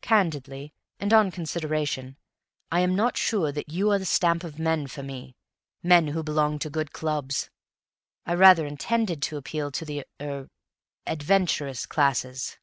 Candidly, and on consideration, I am not sure that you ARE the stamp of men for me men who belong to good clubs! I rather intended to appeal to the er adventurous classes."